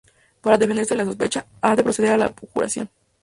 Para defenderse de la sospecha, ha de proceder a la abjuración.